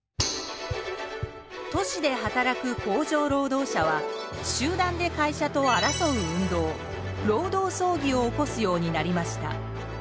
都市で働く工場労働者は集団で会社と争う運動労働争議を起こすようになりました。